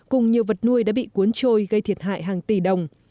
cùng nhiều vật nuôi đã bị cuốn trôi gây thiệt hại hàng tỷ đồng